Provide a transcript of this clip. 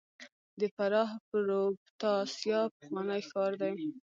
د فراه پروفتاسیا پخوانی ښار دی